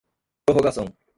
prorrogação